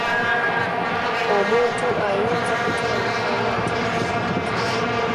Omuntu ayinza kutandikawo atya pulojekiti?